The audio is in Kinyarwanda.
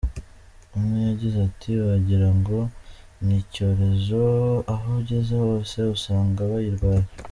Umwe yagize ati “Wagira ngo ni icyorezo, aho ugeze hose usanga bayirwaye.